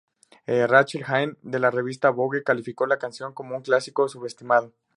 Rachel Hahn, de la revista "Vogue", calificó la canción como "un clásico subestimado".